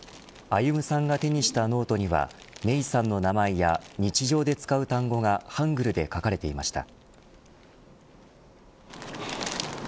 歩さんが手にしたノートには芽生さんの名前や日常で使う単語がハングルで書かれていました。